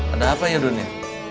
ada apa ya dunia